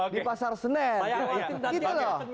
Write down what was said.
di pasar senen